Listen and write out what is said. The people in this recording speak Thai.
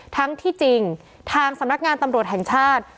ทั้งที่จริงทางสำนักงานตำรวจแห่งชาติ